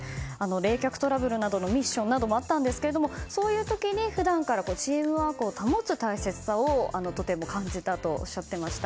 冷却トラブルなどのミッションなどもあったんですがそういう時に普段からチームワークを保つ大切さをとても感じたとおっしゃっていました。